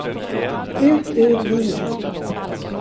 Ut ur bilen.